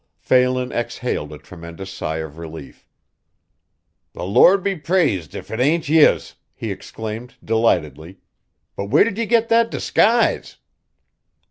Phelan exhaled a tremendous sigh of relief. "The Lord be praised if it ain't yez!" he exclaimed, delightedly. "But where did ye get that disguise?"